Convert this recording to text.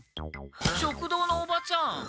食堂のおばちゃん。